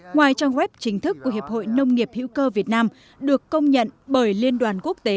ngoài trang web chính thức của hiệp hội nông nghiệp hữu cơ việt nam được công nhận bởi liên đoàn quốc tế